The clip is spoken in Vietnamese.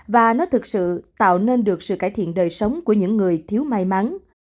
và nó thực sự tạo nên được sự cải thiện đời sống của những người thiếu may mắn